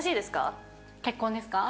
結婚ですか？